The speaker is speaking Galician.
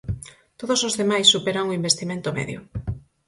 Todos os demais superan o investimento medio.